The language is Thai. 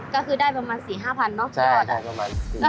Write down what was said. ก็คือได้ประมาณ๔๕พันบาทใช่ประมาณ๔๕พันบาท